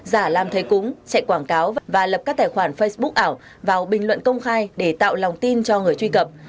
giả lam thầy cúng chạy quảng cáo và lập các tài khoản facebook ảo vào bình luận công khai để tạo lòng tin cho người truy cập